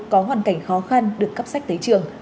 có hoàn cảnh khó khăn được cấp sách tính